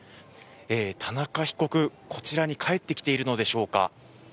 田中被告、こちらに帰ってきているのでしょうか。